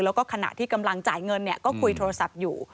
แล้วก็ขณะที่กำลังจ่ายเงินก็คุยโทรศัพท์อยู่